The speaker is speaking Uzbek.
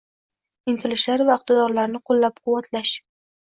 intilishlari va iqtidorlarini qo‘llab-quvvatlash